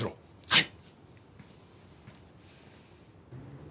はい！